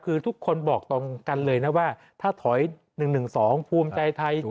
คือทุกคนบอกตรงกันเลยนะว่าถ้าถอย๑๑๒ภูมิใจไทย